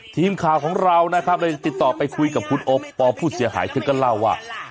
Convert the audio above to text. ทีมข่าวของเรานะครับเลยติดต่อไปคุยกับคุณโอปอลผู้เสียหายเธอก็เล่าว่า